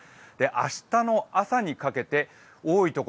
明日の朝にかけて多い所